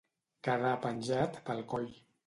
Quedar penjat pel coll.